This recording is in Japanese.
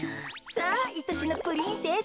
さあいとしのプリンセス。